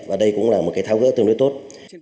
và đây cũng là một cái thao gỡ tương đối tốt